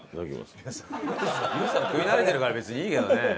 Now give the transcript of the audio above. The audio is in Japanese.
リュウさん食い慣れてるから別にいいけどね。